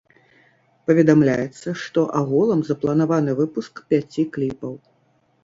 Паведамляецца, што агулам запланаваны выпуск пяці кліпаў.